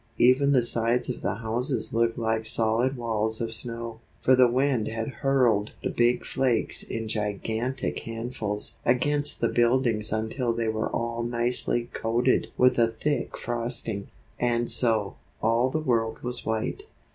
Even the sides of the houses looked like solid walls of snow, for the wind had hurled the big flakes in gigantic handfuls against the buildings until they were all nicely coated with a thick frosting; and so, all the world was white.